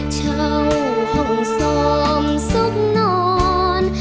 เช่าห้องสมสุขนอน